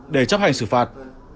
để chấp hành xử phạt